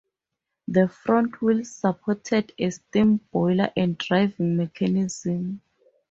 The front wheel supported a steam boiler and driving mechanism.